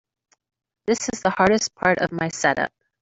This is the hardest part of my setup.